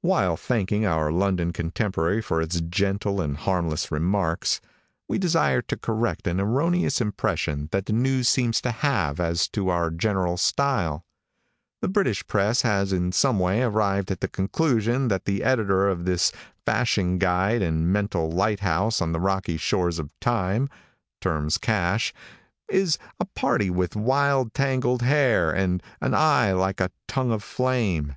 While thanking our London contemporary for its gentle and harmless remarks, we desire to correct an erroneous impression that the seems to have as to our general style: The British press has in some way arrived at the conclusion that the editor of this fashion guide and mental lighthouse on the rocky shores of time (terms cash), is a party with wild tangled hair, and an like a tongue of flame.